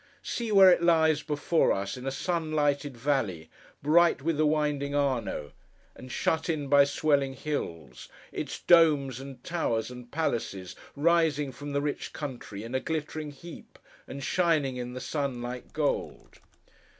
See where it lies before us in a sun lighted valley, bright with the winding Arno, and shut in by swelling hills; its domes, and towers, and palaces, rising from the rich country in a glittering heap, and shining in the sun like gold!